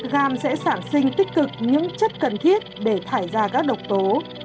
gam sẽ sản sinh tích cực những chất cần thiết để thải ra các độc tố